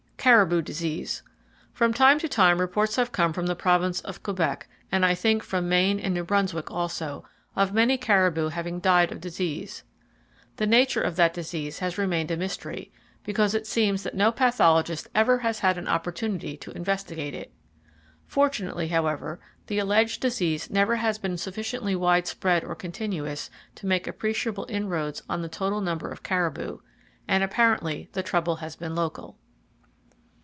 Caribou Disease. —From time to time reports have come from the Province of Quebec, and I think from Maine and New Brunswick also, of many caribou having died of disease. The nature of that disease has remained a mystery, because it seems that no pathologist ever has had an opportunity to investigate it. Fortunately, however, the alleged disease never has been sufficiently wide spread or continuous to make appreciable inroads on the total number of caribou, and apparently the trouble has been local.